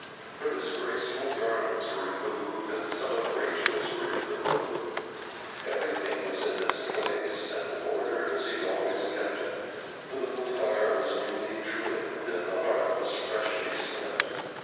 Her disgraceful garments were removed, and some of Rachael's were in the room. Everything was in its place and order as he had always kept it, the little fire was newly trimmed, and the hearth was freshly swept.